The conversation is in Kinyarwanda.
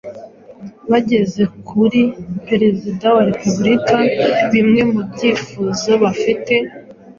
bageza kuri Perezida wa Repubulika bimwe mu byifuzo bafite